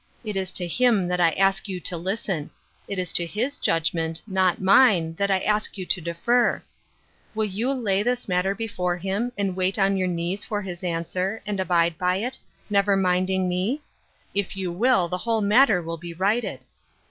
It is to him that I ask you to listen ; it is to his judgment, not mine, that I ask you to defer. WiU you lay 166 Ruth Urskine's Crosses. this matter before him, and wait on your knees for his answer, and abide by it, never minding me? If you will the whole matter will be righted."